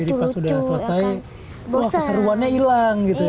jadi pas sudah selesai wah keseruannya hilang gitu ya